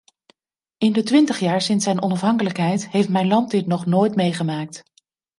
In de twintig jaar sinds zijn onafhankelijkheid heeft mijn land dit nog nooit meegemaakt.